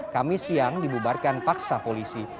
kami siang dibubarkan paksa polisi